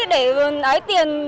để lấy tiền